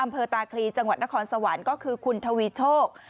อำเภอตาคลีจังหวัดนครสวรรค์ก็คือคุณทวีโชค